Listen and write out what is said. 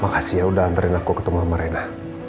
makasih ya udah anterin aku ketemu sama rena